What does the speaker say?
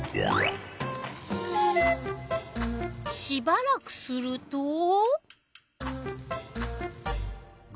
しばらくすると。